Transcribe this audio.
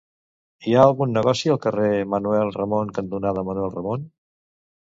Hi ha algun negoci al carrer Manuel Ramon cantonada Manuel Ramon?